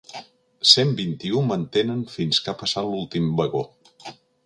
Cent vint-i-u mantenen fins que ha passat l'últim vagó.